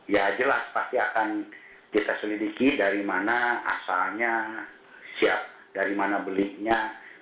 ya jelas pasti akan kita selidiki dari mana asalnya siap dari mana belinya